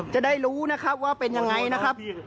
จะได้รู้นะครับว่าเป็นยังไงนะครับ